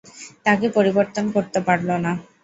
তাঁকে পরিবর্তন করতে পারল না।